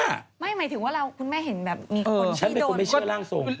หมายถึงว่าคุณแม่เห็นแบบมีคนที่โดน